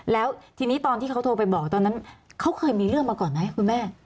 แล้วทีนี้ตอนที่เขาโทรไปบอกตอนนั้นเขาเคยมีเรื่องมาก่อนไหมคุณแม่